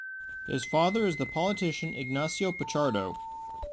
His father is the politician Ignacio Pichardo.